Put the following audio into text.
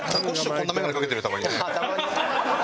こんな眼鏡かけてるよたまにね。